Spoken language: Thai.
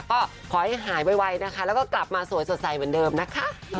ก็ขอให้หายไวนะคะแล้วก็กลับมาสวยสดใสเหมือนเดิมนะคะ